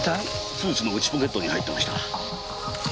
スーツの内ポケットに入ってました。